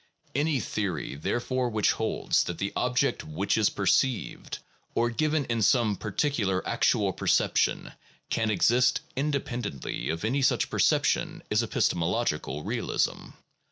Any theory therefore which holds that the object which is perceived, or given in some particular actual perception, can exist independently of any such perception is epistemological realism.